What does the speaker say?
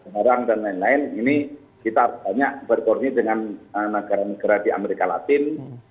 barang dan lain lain ini kita banyak berkoordinasi dengan negara negara di amerika latin